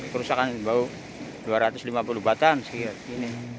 kerusakan baru dua ratus lima puluh batang